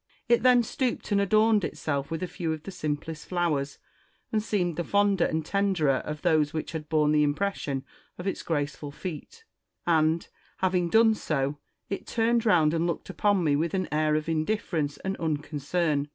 It then stooped and adorned itself with a few of the simplest flowers, and seemed the fonder and tenderer of those which had borne the impression of its graceful feet ; and, having done so, it turned round and looked upon me with an air of indifierence and unconcern.